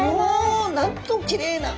おおなんときれいな！